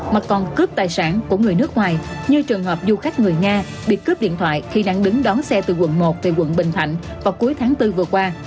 mà còn cướp tài sản của người nước ngoài như trường hợp du khách người nga bị cướp điện thoại khi đang đứng đón xe từ quận một về quận bình thạnh vào cuối tháng bốn vừa qua